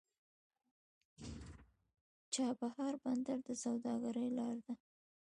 چابهار بندر د سوداګرۍ لار ده.